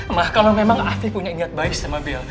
emah kalau memang afi punya niat baik sama bill